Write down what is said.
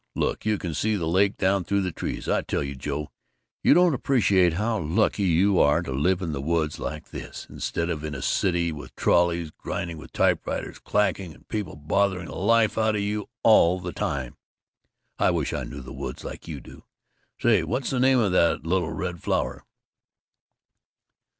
Look, you can see the lake down through the trees. I tell you, Joe, you don't appreciate how lucky you are to live in woods like this, instead of a city with trolleys grinding and typewriters clacking and people bothering the life out of you all the time! I wish I knew the woods like you do. Say, what's the name of that little red flower?"